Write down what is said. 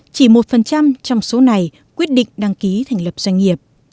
chỉ một phần trăm trong số này quyết định đăng ký thành lập doanh nghiệp